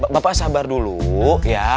bapak sabar dulu ya